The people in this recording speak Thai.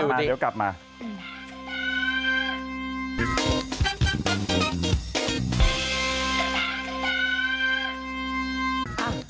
เดี๋ยวกลับมา